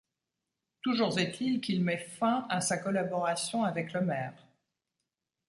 Toujours est-il qu'il met fin à sa collaboration avec Lemerre.